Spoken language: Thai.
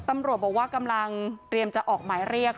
ตำรวจบอกว่ากำลังเตรียมจะออกหมายเรียก